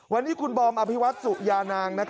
วันนี้คุณบอมอภิวัตสุยานาง